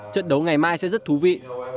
trận đấu ngày mai sẽ rất thú vị